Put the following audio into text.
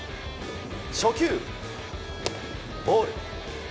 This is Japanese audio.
初球、ボール。